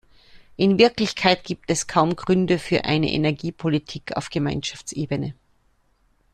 In Wirklichkeit gibt es kaum Gründe für eine Energiepolitik auf Gemeinschaftsebene.